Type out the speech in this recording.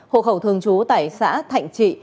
hộ khẩu thường trú tại xã thạnh trị